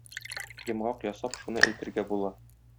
Йомгак ясап шуны әйтергә була.